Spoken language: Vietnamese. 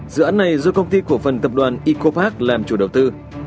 dự án này do công ty của phần tập đoàn ecopark làm chủ đầu tư